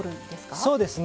そうですね。